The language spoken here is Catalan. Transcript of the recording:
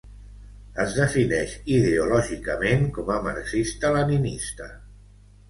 Es defineix ideològicament com a marxista-leninista.